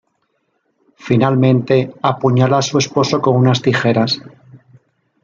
Finalmente apuñala a su esposo con unas tijeras.